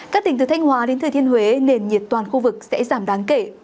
các tỉnh từ thanh hòa đến thời thiên huế nền nhiệt toàn khu vực sẽ giảm đáng kể